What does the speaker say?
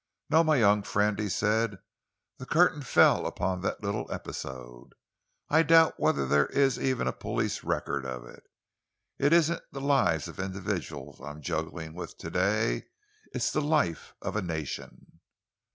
"No, my young friend," he said, "the curtain fell upon that little episode. I doubt whether there is even a police record of it. It isn't the lives of individuals I am juggling with to day. It's the life of a nation."